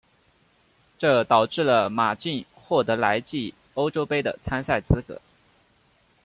这导致了马竞获得来季欧洲杯的参赛资格。